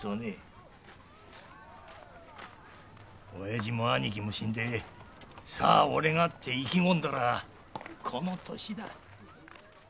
親父も兄貴も死んでさあ俺がって意気込んだらこの年だ。